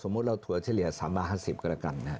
สมมุติเราถั่วเฉลี่ย๓บาท๕๐ก็แล้วกัน